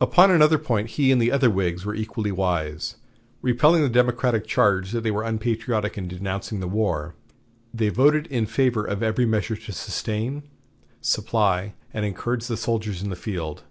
Upon another point he and the other Whigs were equally wise. Repelling the Democratic charge that they were unpatriotic in denouncing the war, they voted in favor of every measure to sustain, supply, and encourage the soldiers in the field.